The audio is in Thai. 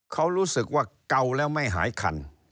เขารู้สึกว่าเก่าแล้วไม่หายคัน